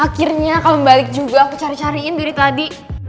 akhirnya kamu balik juga aku cari cariin dari tadi